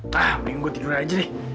tah mending gue tidur aja deh